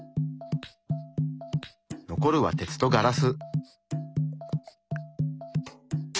残るは鉄とガラス。